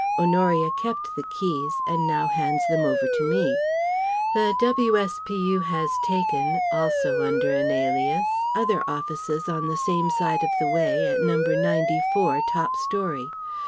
Honoria kept the keys and now hands them over to me. The W.S.P.U. has taken also under an alias other offices on the same side of the way, at No. 94, top storey.